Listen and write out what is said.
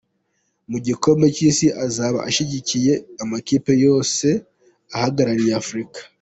Mu gikombe cy’isi azaba ashyigikiye amakipe yose ahagarariye Afrique.